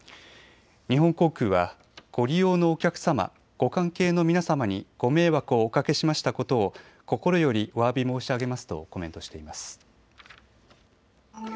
日本航空はご利用のお客さま、ご関係の皆様にご迷惑をおかけしましたことを心よりおわび申し上げますとコメントしています。